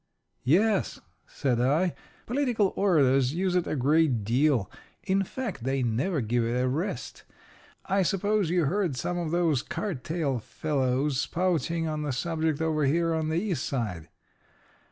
"Yes," said I, "political orators use it a great deal. In fact, they never give it a rest. I suppose you heard some of those cart tail fellows spouting on the subject over here on the east side."